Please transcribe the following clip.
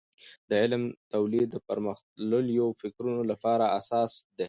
د علم تولید د پرمختللیو فکرونو لپاره اساسي ده.